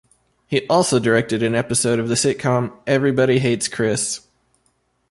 He also directed an episode of the sitcom "Everybody Hates Chris".